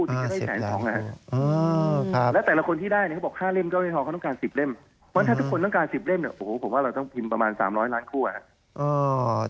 วันถ้าทุกคนต้องการ๑๐เล่มเนี่ยโอ้โหผมว่าเราต้องพิมพ์ประมาณ๓๐๐ล้านคู่อะ